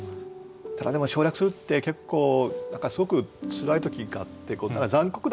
ただでも省略するって結構すごくつらい時があって残酷なんですよね。